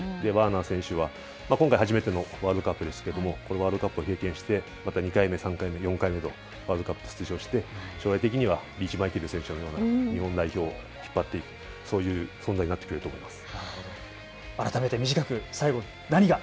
若い選手が活躍することでベテランも奮起しますし今回初めてのワールドカップですけどワールドカップを経験して２回目、３回目、４回目とワールドカップ出場して将来的にはリーチマイケル選手のような日本代表を引っ張っていくそういう存在になってくれると思います。